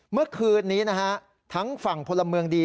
เมื่อคืนนี้นะฮะทั้งฝั่งพลเมืองดี